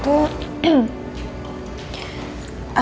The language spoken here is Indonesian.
aku akan terus ada di safika